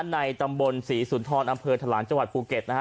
ในตำบลศรีสุนทรอำเภอทะลังจังหวัดภูเก็ตนะฮะ